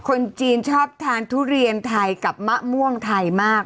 คนจีนชอบทานทุเรียนไทยกับมะม่วงไทยมาก